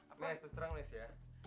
apa ya terus terang nih ya